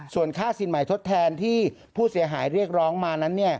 ส่วนค่าสินใหม่ทดแทนที่ผู้เสียหายเรียกร้องมานั้น